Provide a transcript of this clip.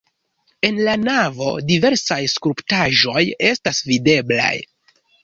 En la navo diversaj skulptaĵoj estas videblaj.